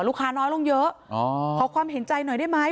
ลูกค้าน้อยลงเยอะขอความเห็นใจหน่อยได้ไหม